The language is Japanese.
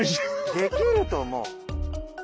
できると思う。